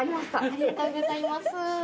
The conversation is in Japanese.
ありがとうございます。